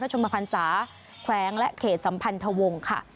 ชมภัณฑ์ศาสตร์แขวงและเขตสัมพันธวงค่ะ